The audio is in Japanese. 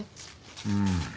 うん。